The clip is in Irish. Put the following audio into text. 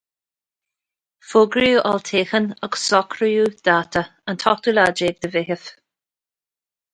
Fógraíodh olltoghchán agus socraíodh dáta, an t-ochtú lá déag de Mheitheamh.